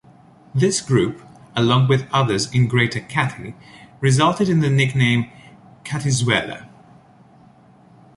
This group, along with others in Greater Katy, resulted in the nickname "Katyzuela".